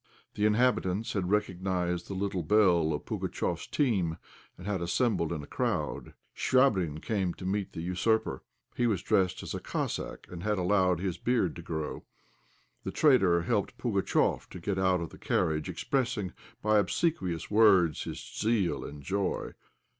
The inhabitants had recognized the little bell of Pugatchéf's team, and had assembled in a crowd. Chvabrine came to meet the usurper; he was dressed as a Cossack, and had allowed his beard to grow. The traitor helped Pugatchéf to get out of the carriage, expressing by obsequious words his zeal and joy.